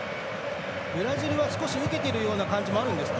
ブラジルは少し受けているところもあるんですか？